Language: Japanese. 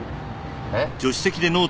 えっ？